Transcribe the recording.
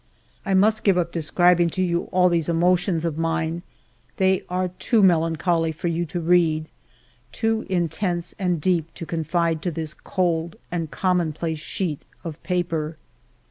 I must give up describing to you all these emotions of mine ; they are too melan choly for you to read, too intense and deep to confide to this cold and commonplace sheet ot paper.